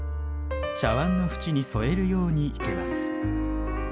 茶わんの縁に添えるように生けます。